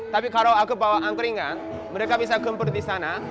tapi kalau aku bawa angkringan mereka bisa kempur di sana